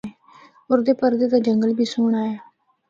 اُردے پردے دا جنگل بھی سہنڑا اے۔